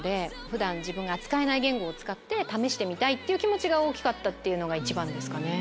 普段自分が扱えない言語を使って試してみたいっていう気持ちが大きかったのが一番ですかね。